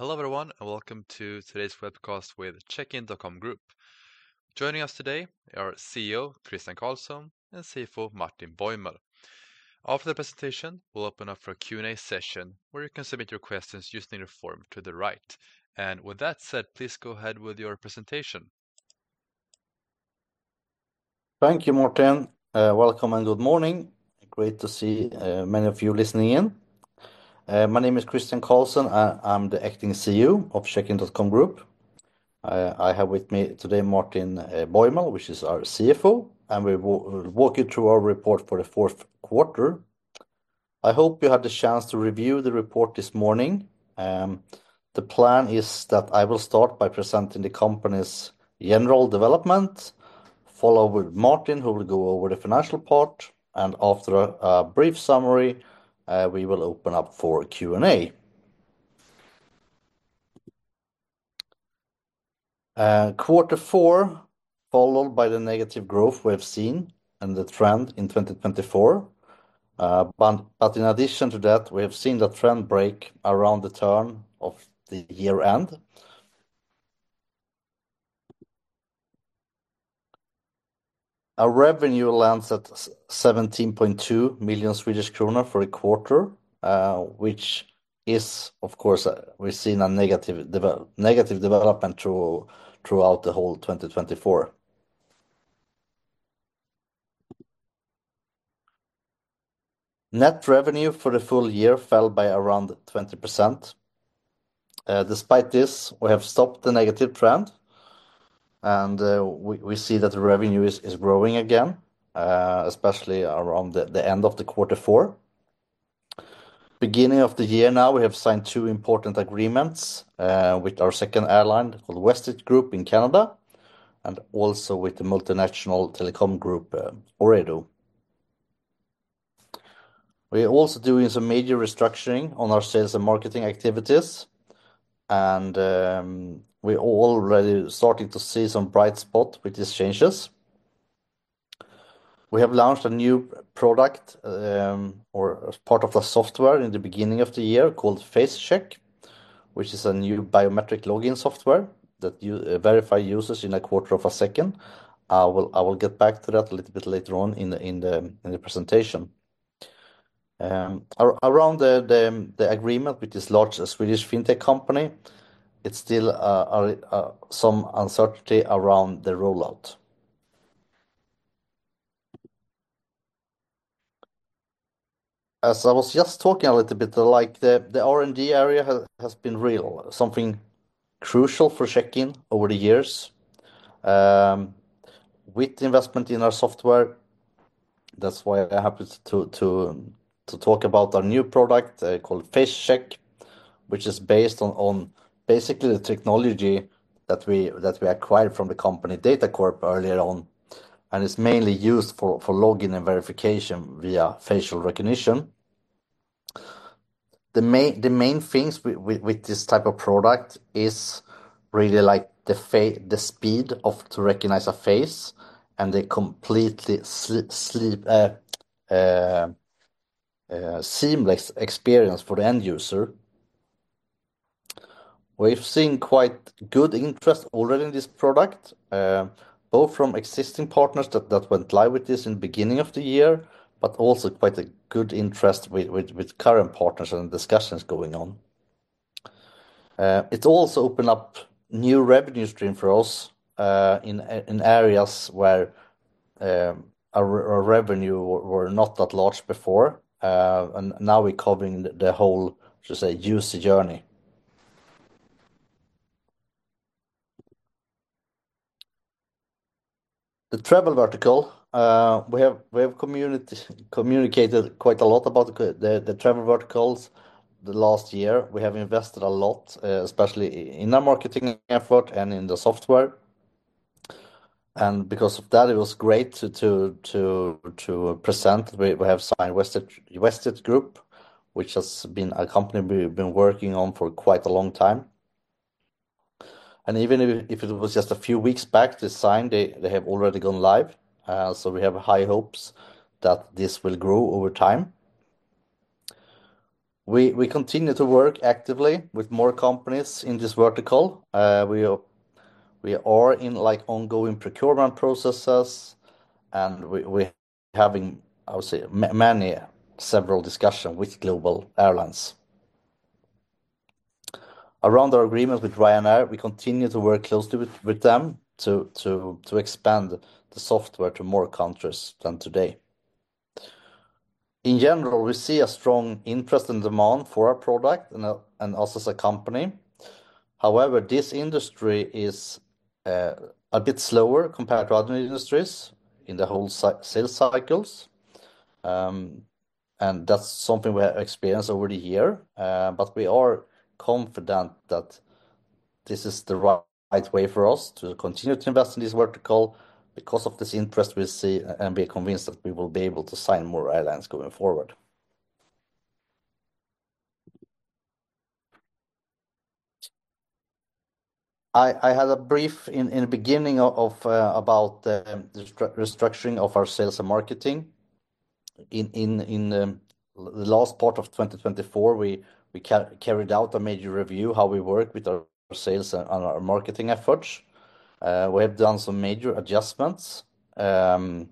Hello everyone, and welcome to today's webcast with Checkin.com Group. Joining us today are CEO Christian Karlsson and CFO Martin Bäuml. After the presentation, we'll open up for a Q&A session where you can submit your questions using the form to the right. With that said, please go ahead with your presentation. Thank you, Martin. Welcome and good morning. Great to see many of you listening in. My name is Christian Karlsson. I'm the acting CEO of Checkin.com Group. I have with me today Martin Bäuml, who is our CFO, and we will walk you through our report for the fourth quarter. I hope you had the chance to review the report this morning. The plan is that I will start by presenting the company's general development, followed by Martin, who will go over the financial part, and after a brief summary, we will open up for Q&A. 4Q, followed by the negative growth we've seen and the trend in 2024. In addition to that, we have seen the trend break around the turn of the year-end. Our revenue lands at 17.2 million Swedish kronor for the quarter, which is, of course, we've seen a negative development throughout the whole 2024. Net revenue for the full year fell by around 20%. Despite this, we have stopped the negative trend, and we see that the revenue is growing again, especially around the end of the quarter four. Beginning of the year now, we have signed two important agreements with our second airline, called WestJet Group, in Canada, and also with the multinational telecom group Ooredoo. We are also doing some major restructuring on our sales and marketing activities, and we're already starting to see some bright spots with these changes. We have launched a new product or part of the software in the beginning of the year called FaceCheck, which is a new biometric login software that verifies users in a quarter of a second. I will get back to that a little bit later on in the presentation. Around the agreement with this large Swedish fintech company, it's still some uncertainty around the rollout. As I was just talking a little bit, the R&D area has been real, something crucial for Checkin.com Group over the years with investment in our software. That's why I happened to talk about our new product called FaceCheck, which is based on basically the technology that we acquired from the company Datacorp earlier on, and it's mainly used for login and verification via facial recognition. The main things with this type of product is really the speed of recognizing a face and the completely seamless experience for the end user. We've seen quite good interest already in this product, both from existing partners that were in line with this in the beginning of the year, but also quite a good interest with current partners and discussions going on. It's also opened up a new revenue stream for us in areas where our revenue were not that large before, and now we're covering the whole, should say, user journey. The travel vertical, we have communicated quite a lot about the travel verticals the last year. We have invested a lot, especially in our marketing effort and in the software. Because of that, it was great to present. We have signed WestJet Group, which has been a company we've been working on for quite a long time. Even if it was just a few weeks back, they signed, they have already gone live. We have high hopes that this will grow over time. We continue to work actively with more companies in this vertical. We are in ongoing procurement processes, and we are having, I would say, many several discussions with global airlines. Around our agreement with Ryanair, we continue to work closely with them to expand the software to more countries than today. In general, we see a strong interest and demand for our product and us as a company. However, this industry is a bit slower compared to other industries in the whole sales cycles. That is something we have experienced over the year. We are confident that this is the right way for us to continue to invest in this vertical because of this interest we see and be convinced that we will be able to sign more airlines going forward. I had a brief in the beginning about the restructuring of our sales and marketing. In the last part of 2024, we carried out a major review of how we work with our sales and our marketing efforts. We have done some major adjustments, and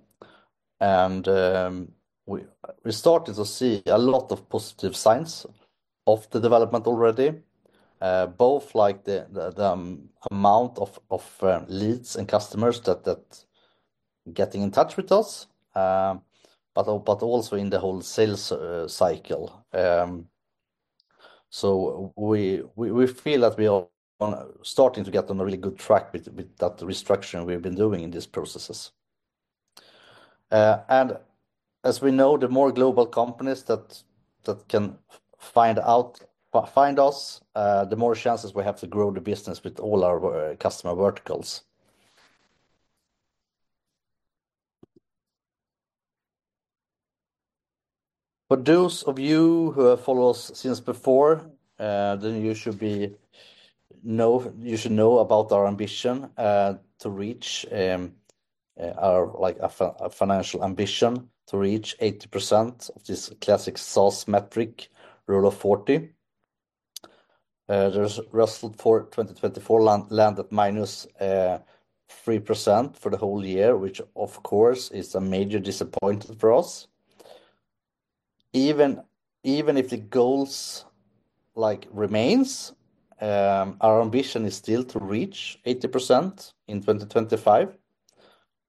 we started to see a lot of positive signs of the development already, both the amount of leads and customers that are getting in touch with us, but also in the whole sales cycle. We feel that we are starting to get on a really good track with that restructuring we've been doing in these processes. As we know, the more global companies that can find us, the more chances we have to grow the business with all our customer verticals. For those of you who have followed us since before, then you should know about our ambition to reach our financial ambition to reach 80% of this classic SaaS metric, Rule of 40. The result for 2024 landed minus 3% for the whole year, which, of course, is a major disappointment for us. Even if the goal remains, our ambition is still to reach 80% in 2025,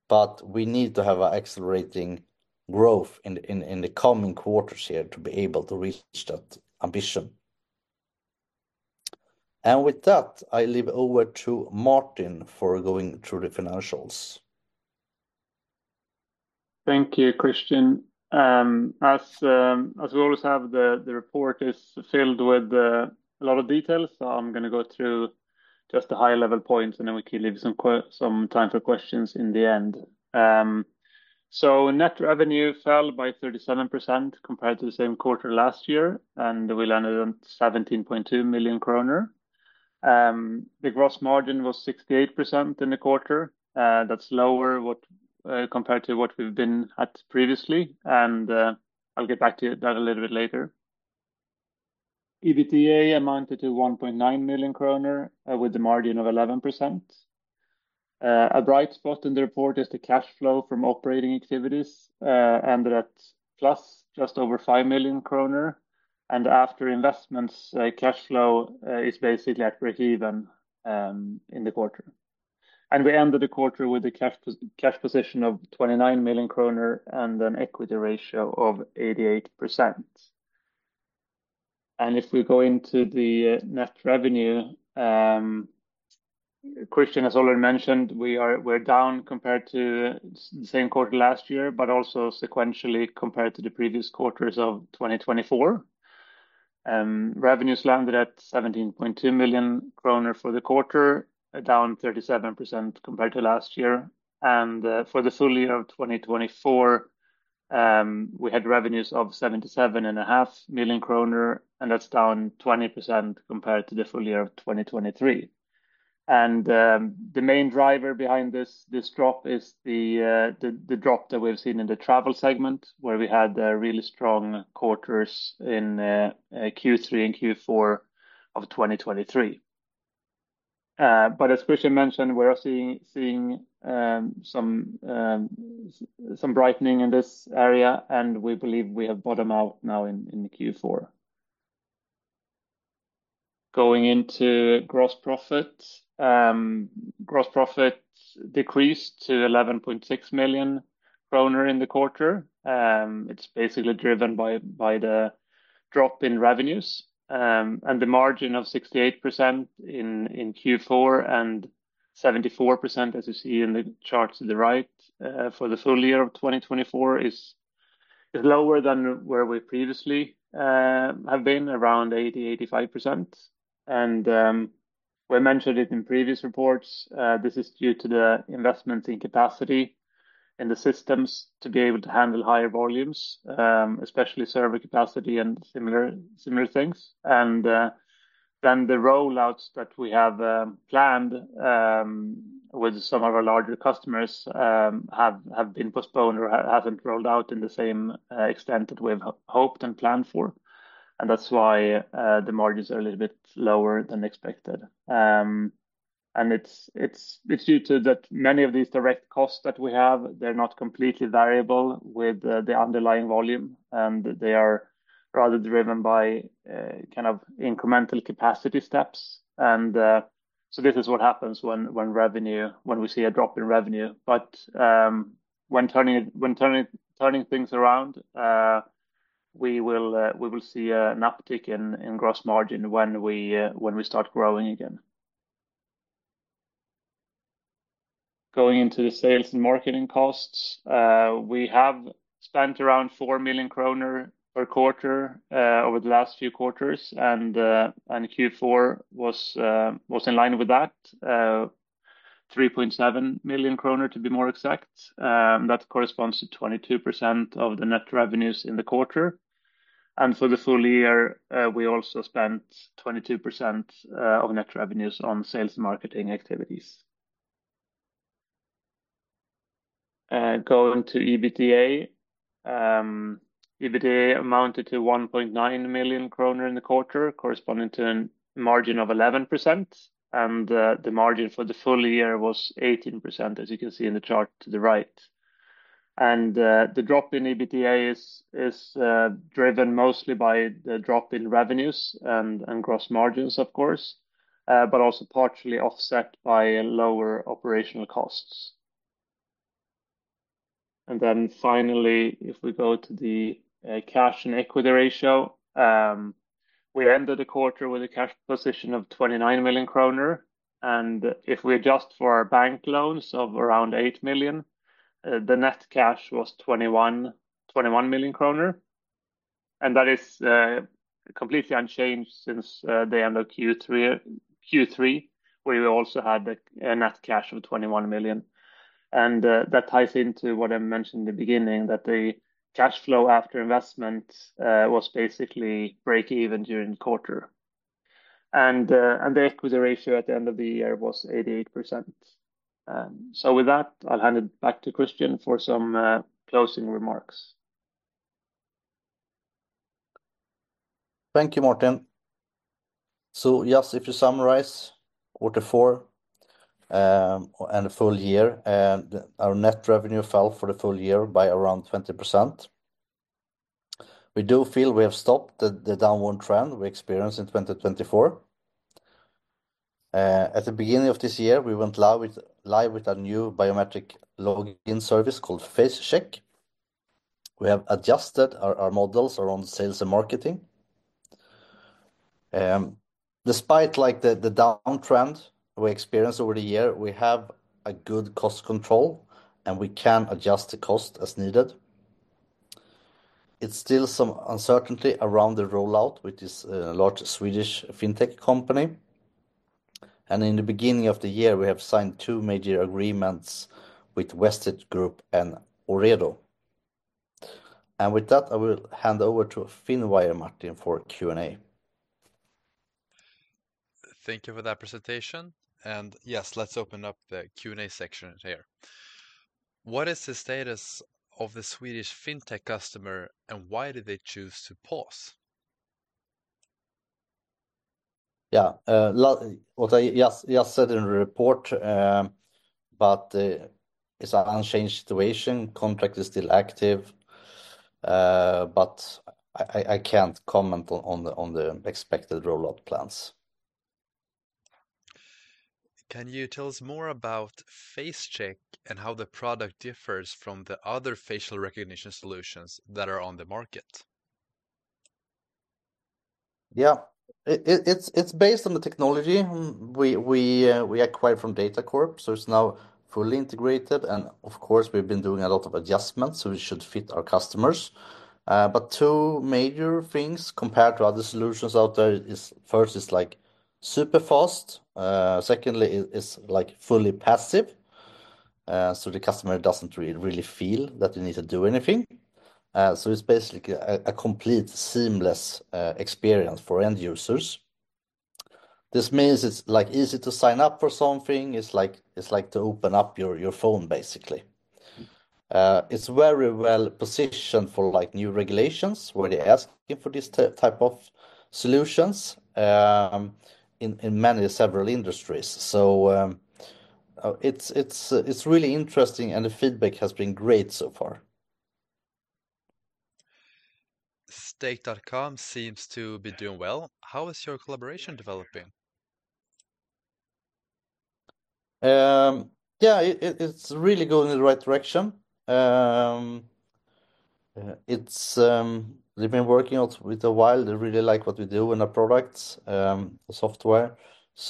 but we need to have an accelerating growth in the coming quarters here to be able to reach that ambition. With that, I leave it over to Martin for going through the financials. Thank you, Christian. As we always have, the report is filled with a lot of details. I'm going to go through just the high-level points, and then we can leave some time for questions in the end. Net revenue fell by 37% compared to the same quarter last year, and we landed on 17.2 million kronor. The gross margin was 68% in the quarter. That's lower compared to what we've been at previously. I'll get back to that a little bit later. EBITDA amounted to 1.9 million kronor with a margin of 11%. A bright spot in the report is the cash flow from operating activities ended at plus just over 5 million kronor. After investments, cash flow is basically at break-even in the quarter. We ended the quarter with a cash position of 29 million kronor and an equity ratio of 88%. If we go into the net revenue, Christian has already mentioned we're down compared to the same quarter last year, but also sequentially compared to the previous quarters of 2024. Revenues landed at 17.2 million kronor for the quarter, down 37% compared to last year. For the full year of 2024, we had revenues of 77.5 million kronor, and that's down 20% compared to the full year of 2023. The main driver behind this drop is the drop that we've seen in the travel segment, where we had really strong quarters in Q3 and Q4 of 2023. As Christian mentioned, we're seeing some brightening in this area, and we believe we have bottomed out now in Q4. Going into gross profit, gross profit decreased to 11.6 million kronor in the quarter. It's basically driven by the drop in revenues. The margin of 68% in Q4 and 74%, as you see in the charts to the right for the full year of 2024, is lower than where we previously have been, around 80-85%. We mentioned it in previous reports. This is due to the investment in capacity in the systems to be able to handle higher volumes, especially server capacity and similar things. The rollouts that we have planned with some of our larger customers have been postponed or have not rolled out to the same extent that we have hoped and planned for. That is why the margins are a little bit lower than expected. It is due to the fact that many of these direct costs that we have are not completely variable with the underlying volume, and they are rather driven by kind of incremental capacity steps. This is what happens when we see a drop in revenue. When turning things around, we will see an uptick in gross margin when we start growing again. Going into the sales and marketing costs, we have spent around 4 million kronor per quarter over the last few quarters, and Q4 was in line with that, 3.7 million kronor to be more exact. That corresponds to 22% of the net revenues in the quarter. For the full year, we also spent 22% of net revenues on sales and marketing activities. Going to EBITDA, EBITDA amounted to 1.9 million kronor in the quarter, corresponding to a margin of 11%. The margin for the full year was 18%, as you can see in the chart to the right. The drop in EBITDA is driven mostly by the drop in revenues and gross margins, of course, but also partially offset by lower operational costs. If we go to the cash and equity ratio, we ended the quarter with a cash position of 29 million kronor. If we adjust for our bank loans of around 8 million, the net cash was 21 million kronor. That is completely unchanged since the end of Q3, where we also had a net cash of 21 million. That ties into what I mentioned in the beginning, that the cash flow after investment was basically break-even during the quarter. The equity ratio at the end of the year was 88%. With that, I'll hand it back to Christian for some closing remarks. Thank you, Martin. Yes, if you summarize quarter four and the full year, our net revenue fell for the full year by around 20%. We do feel we have stopped the downward trend we experienced in 2024. At the beginning of this year, we went live with a new biometric login service called FaceCheck. We have adjusted our models around sales and marketing. Despite the downtrend we experienced over the year, we have good cost control, and we can adjust the cost as needed. It's still some uncertainty around the rollout, which is a large Swedish fintech company. In the beginning of the year, we have signed two major agreements with WestJet Group and Ooredoo. With that, I will hand over to Finwire, Martin, for Q&A. Thank you for that presentation. Yes, let's open up the Q&A section here. What is the status of the Swedish fintech customer, and why did they choose to pause? Yeah, what I just said in the report, but it's an unchanged situation. Contract is still active, but I can't comment on the expected rollout plans. Can you tell us more about FaceCheck and how the product differs from the other facial recognition solutions that are on the market? Yeah, it's based on the technology we acquired from Datacorp, so it's now fully integrated. Of course, we've been doing a lot of adjustments so we should fit our customers. Two major things compared to other solutions out there is first, it's super fast. Secondly, it's fully passive. The customer doesn't really feel that they need to do anything. It's basically a complete seamless experience for end users. This means it's easy to sign up for something. It's like to open up your phone, basically. It's very well positioned for new regulations where they're asking for this type of solutions in many several industries. It's really interesting, and the feedback has been great so far. Stake.com seems to be doing well. How is your collaboration developing? Yeah, it's really going in the right direction. We've been working with them for a while. They really like what we do in our products, software.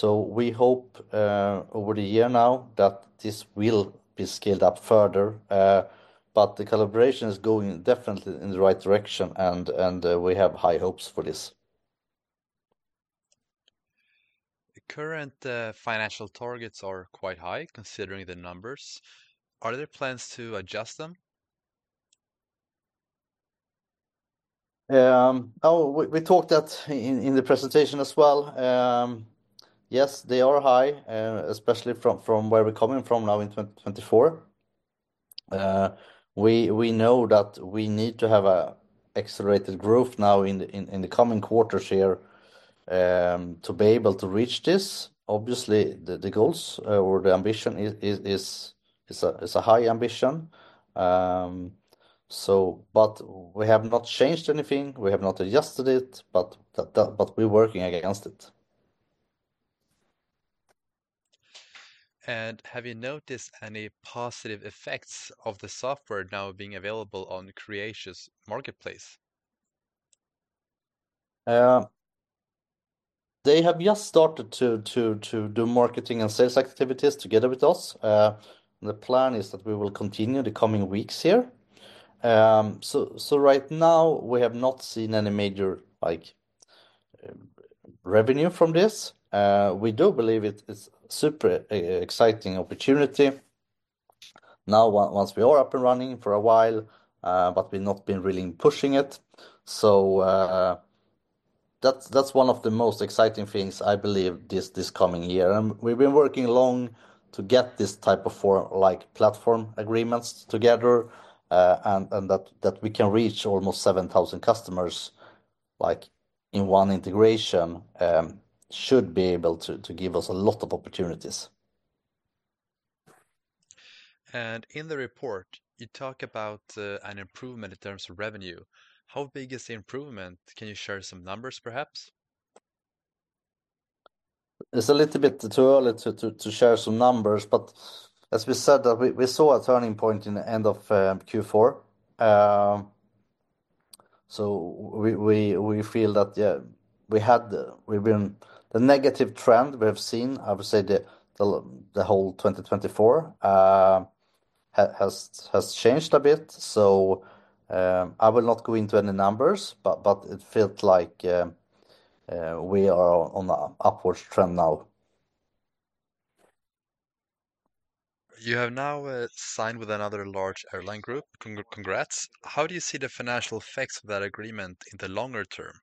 We hope over the year now that this will be scaled up further. The collaboration is going definitely in the right direction, and we have high hopes for this. The current financial targets are quite high, considering the numbers. Are there plans to adjust them? We talked that in the presentation as well. Yes, they are high, especially from where we're coming from now in 2024. We know that we need to have an accelerated growth now in the coming quarters here to be able to reach this. Obviously, the goals or the ambition is a high ambition. We have not changed anything. We have not adjusted it, but we're working against it. Have you noticed any positive effects of the software now being available on Creatio Marketplace? They have just started to do marketing and sales activities together with us. The plan is that we will continue the coming weeks here. Right now, we have not seen any major revenue from this. We do believe it's a super exciting opportunity. Now, once we are up and running for a while, but we've not been really pushing it. That's one of the most exciting things, I believe, this coming year. We have been working long to get this type of platform agreements together and that we can reach almost 7,000 customers in one integration should be able to give us a lot of opportunities. In the report, you talk about an improvement in terms of revenue. How big is the improvement? Can you share some numbers, perhaps? It's a little bit too early to share some numbers, but as we said, we saw a turning point in the end of Q4. We feel that we had the negative trend we have seen, I would say the whole 2024 has changed a bit. I will not go into any numbers, but it felt like we are on an upward trend now. You have now signed with another large airline group. Congrats. How do you see the financial effects of that agreement in the longer term?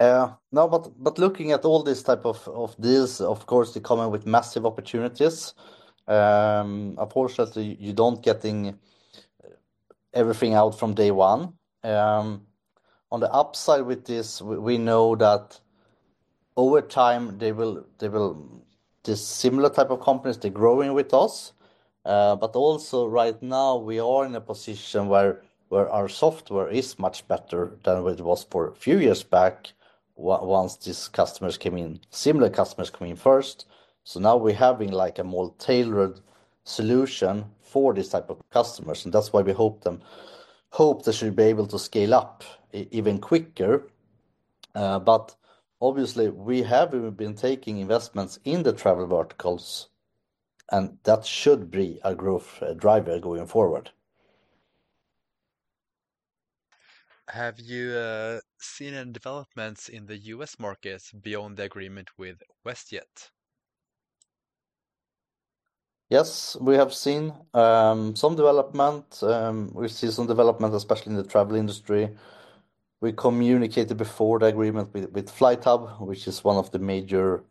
No, but looking at all these types of deals, of course, they come with massive opportunities. Unfortunately, you don't get everything out from day one. On the upside with this, we know that over time, similar types of companies, they're growing with us. Also, right now, we are in a position where our software is much better than it was for a few years back once these customers came in, similar customers came in first. Now we're having a more tailored solution for this type of customers. That's why we hope they should be able to scale up even quicker. Obviously, we have been taking investments in the travel verticals, and that should be a growth driver going forward. Have you seen any developments in the U.S. markets beyond the agreement with WestJet? Yes, we have seen some development. We've seen some development, especially in the travel industry. We communicated before the agreement with FlightHub, which is one of the major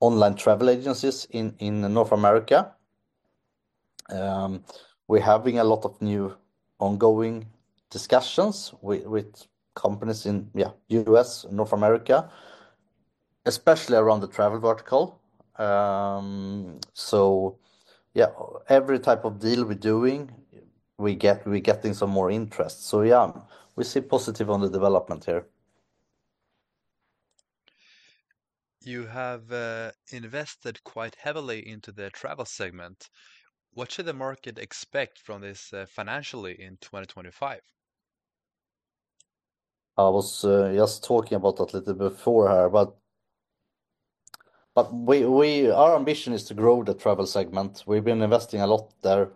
online travel agencies in North America. We're having a lot of new ongoing discussions with companies in the U.S. and North America, especially around the travel vertical. Yeah, every type of deal we're doing, we're getting some more interest. Yeah, we see positive on the development here. You have invested quite heavily into the travel segment. What should the market expect from this financially in 2025? I was just talking about that a little bit before here, but our ambition is to grow the travel segment. We've been investing a lot there.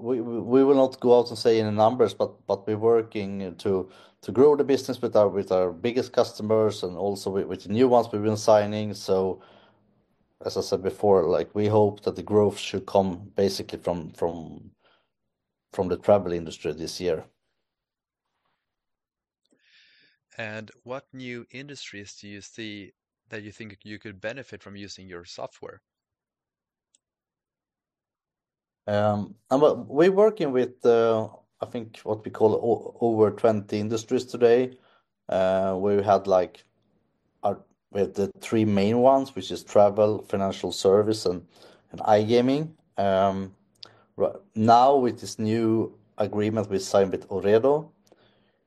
We will not go out and say any numbers, but we're working to grow the business with our biggest customers and also with the new ones we've been signing. As I said before, we hope that the growth should come basically from the travel industry this year. What new industries do you see that you think you could benefit from using your software? We're working with, I think, what we call over 20 industries today. We had the three main ones, which are travel, financial service, and iGaming. Now, with this new agreement we signed with Ooredoo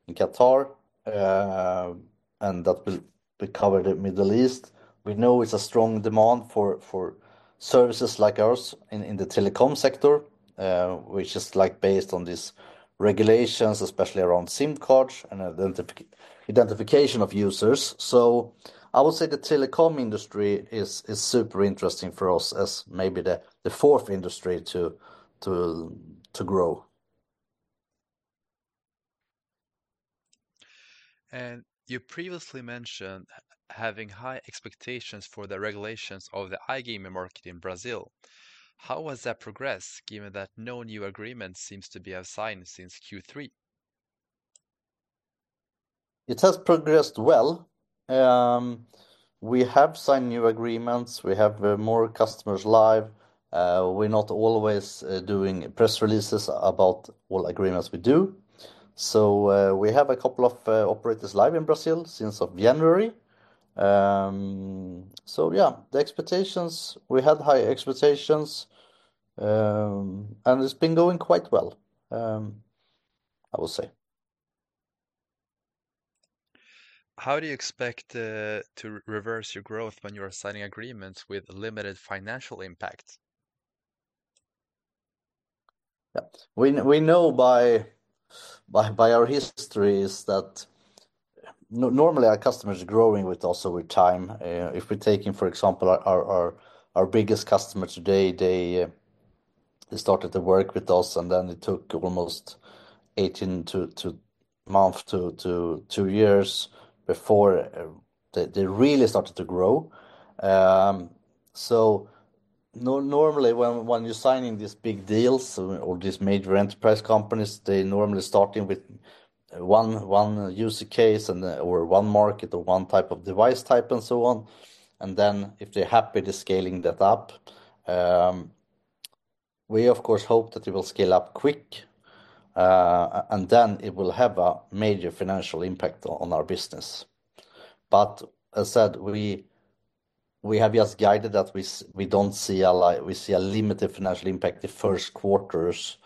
in Qatar, and that will cover the Middle East, we know it's a strong demand for services like ours in the telecom sector, which is based on these regulations, especially around SIM cards and identification of users. I would say the telecom industry is super interesting for us as maybe the fourth industry to grow. You previously mentioned having high expectations for the regulations of the iGaming market in Brazil. How has that progressed given that no new agreement seems to be signed since Q3? It has progressed well. We have signed new agreements. We have more customers live. We're not always doing press releases about all agreements we do. We have a couple of operators live in Brazil since January. The expectations, we had high expectations, and it's been going quite well, I would say. How do you expect to reverse your growth when you're signing agreements with limited financial impact? Yeah, we know by our history that normally our customers are growing also with time. If we're taking, for example, our biggest customer today, they started to work with us, and then it took almost 18 months to two years before they really started to grow. Normally, when you're signing these big deals or these major enterprise companies, they're normally starting with one use case or one market or one type of device type and so on. If they're happy to scaling that up, we, of course, hope that it will scale up quick, and then it will have a major financial impact on our business. As I said, we have just guided that we don't see a limited financial impact the first quarters,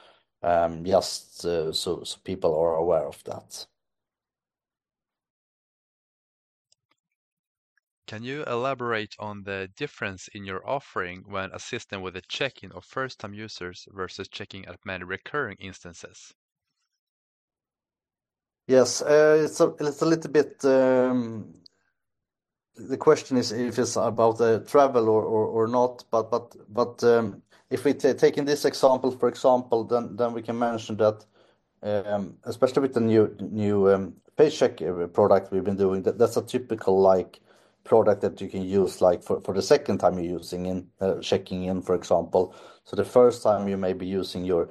just so people are aware of that. Can you elaborate on the difference in your offering when assisting with the check-in of first-time users versus checking at many recurring instances? Yes, it's a little bit the question is if it's about the travel or not. If we're taking this example, for example, then we can mention that, especially with the new FaceCheck product we've been doing, that's a typical product that you can use for the second time you're checking in, for example. The first time you may be using your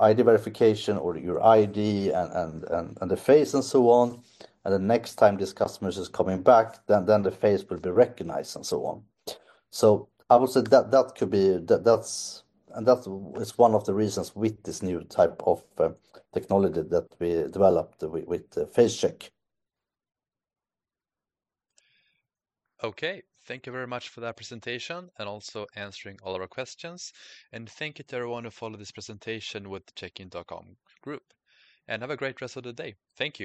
ID verification or your ID and the face and so on. The next time this customer is coming back, the face will be recognized and so on. I would say that that could be that's one of the reasons with this new type of technology that we developed with FaceCheck. Okay, thank you very much for that presentation and also answering all our questions. Thank you to everyone who followed this presentation with the Checkin.com Group. Have a great rest of the day. Thank you.